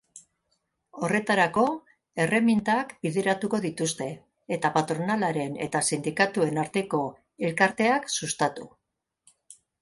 Horretarako, erreminta bideratuko dituzte, eta patronalaren eta sindikatuen arteko elkarteak sustatu.